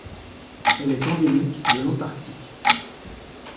Elle est endémique de l'Antarctique.